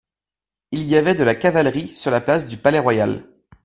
Il y avait de la cavalerie sur la place du Palais-Royal.